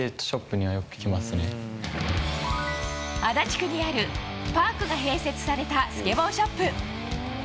足立区にある、パークが併設されたスケボーショップ。